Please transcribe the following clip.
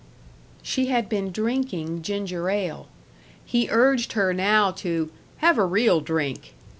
She had been drinking ginger ale. He urged her now to "have a real drink."